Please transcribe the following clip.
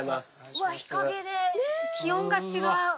日陰で気温が違う。